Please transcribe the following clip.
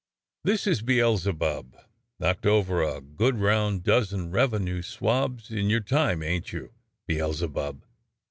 "This is Beelzebub, knocked over a good round dozen revenue swabs in your time, ain't you, Beelzebub.'